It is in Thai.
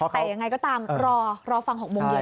แต่ยังไงก็ตามรอฟัง๖โมงเย็น